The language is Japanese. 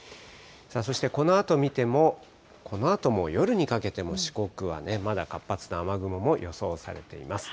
そしてこのあと見ても、このあとも夜にかけても、四国はまだ活発な雨雲も予想されています。